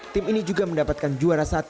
tim ini juga mendapatkan juara satu